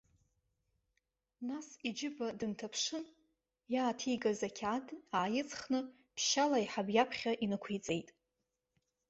Нас, иџьыба дынҭаԥшын, иааҭигаз ақьаад ааиҵыхны ԥшьшьала аиҳабы иаԥхьа инықәиҵеит.